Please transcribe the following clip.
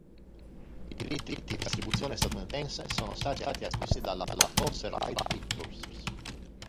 I diritti per la distribuzione statunitense sono stati acquistati dalla Fox Searchlight Pictures.